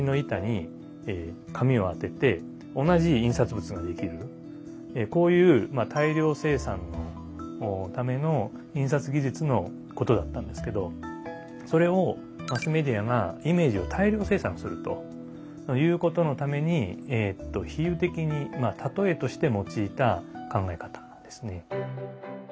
今から大体こういう大量生産のための印刷技術のことだったんですけどそれをマスメディアがイメージを大量生産するということのために比喩的に例えとして用いた考え方なんですね。